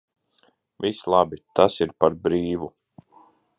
Viss labi, tas ir par brīvu.